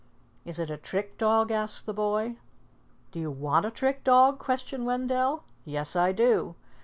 "Is it a trick dog?" asked the boy. "Do you want a trick dog?" questioned Wendell. "Yes, I do."